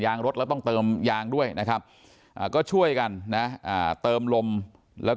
ยางด้วยนะครับก็ช่วยกันนะเติมลมแล้ว